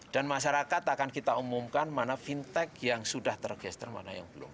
dan masyarakat akan kita umumkan mana fintech yang sudah tergester mana yang belum